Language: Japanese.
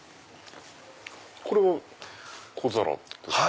これは小皿ですね。